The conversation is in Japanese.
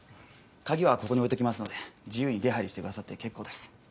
鍵はここに置いときますので自由に出はいりしてくださって結構です。